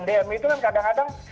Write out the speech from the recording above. dm itu kan kadang kadang